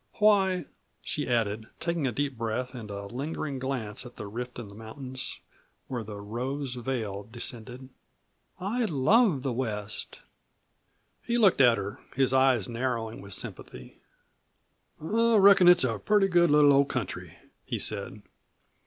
Why," she added, taking a deep breath, and a lingering glance at the rift in the mountains where the rose veil descended, "I love the West." He looked at her, his eyes narrowing with sympathy. "I reckon it's a pretty good little old country," he said.